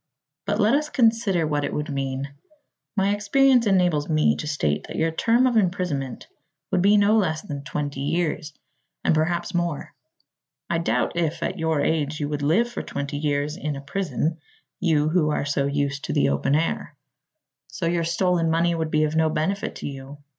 But let us consider what it would mean. My experience enables me to state that your term of imprisonment would be no less than twenty years, and perhaps more. I doubt if, at your age, you would live for twenty years in a prison you who are so used to the open air. So your stolen money would be of no benefit to you.